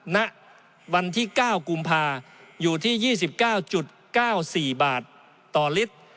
ณวันที่๙กุมภาอยู่ที่๒๙๙๔บาทต่อลิตร